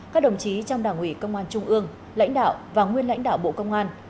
các đồng chí trong đảng ủy công an trung ương lãnh đạo và nguyên lãnh đạo bộ công an